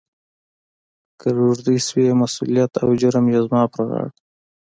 « کهٔ روږدی شوې، مسولیت او جرم یې زما پهٔ غاړه. »